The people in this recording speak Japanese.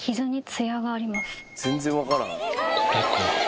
全然分からん。